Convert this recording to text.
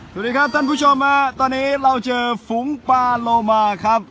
สวัสดีครับท่านผู้ชมฮะตอนนี้เราเจอฝูงปลาโลมาครับ